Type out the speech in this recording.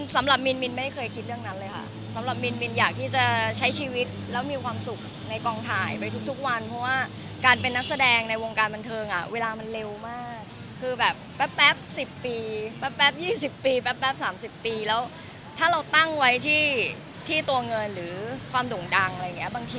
สำหรับมินมินไม่เคยคิดเรื่องนั้นเลยค่ะสำหรับมินมินอยากที่จะใช้ชีวิตแล้วมีความสุขในกองถ่ายไปทุกวันเพราะว่าการเป็นนักแสดงในวงการบันเทิงอ่ะเวลามันเร็วมากคือแบบแป๊บ๑๐ปีแป๊บ๒๐ปีแป๊บ๓๐ปีแล้วถ้าเราตั้งไว้ที่ตัวเงินหรือความด่งดังอะไรอย่างเงี้บางที